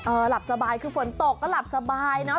หลับสบายคือฝนตกก็หลับสบายเนอะ